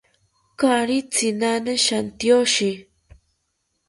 Kaari tzinani shantyoshi